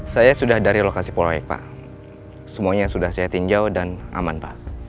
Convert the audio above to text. saya sudah dari lokasi proyek pak semuanya sudah saya tinjau dan aman pak